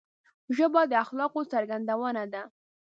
ژبه د اخلاقو څرګندونه ده